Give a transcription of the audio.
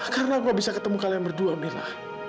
karena aku nggak bisa ketemu kalian berdua mila